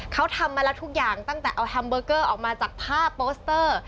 เขาทำมาแล้วทุกอย่างตั้งแต่เอาแฮมเบอร์เกอร์ออกมาจากผ้าโปสเตอร์